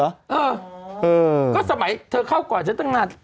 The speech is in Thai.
เออก็สมัยเธอเข้าก่อนฉันตั้งนาน